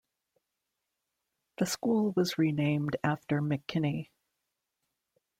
The school was renamed after McKinney.